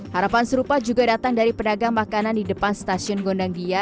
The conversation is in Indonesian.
harapan serupa juga datang dari pedagang makanan di depan stasiun gondangdia